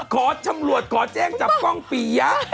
ตำรวจขอแจ้งจับกล้องปียะ